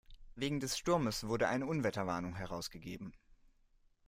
Wegen des Sturmes wurde eine Unwetterwarnung herausgegeben.